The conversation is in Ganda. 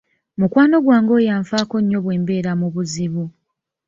Mukwano gwange oyo anfaako nnyo bwe mbeera mu buzibu.